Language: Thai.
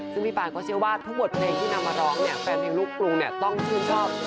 ซึ่งพี่ปานก็เชื่อว่าทุกบทเพลงที่นำมาร้องเนี่ยแฟนเพลงลูกกรุงเนี่ยต้องชื่นชอบ